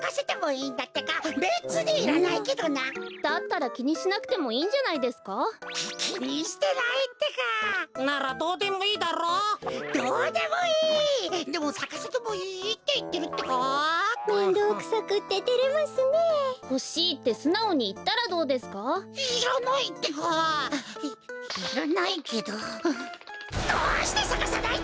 いいらないけどどうしてさかさないってか！